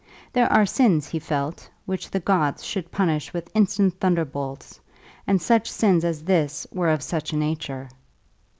There are sins, he felt, which the gods should punish with instant thunderbolts, and such sins as this were of such a nature.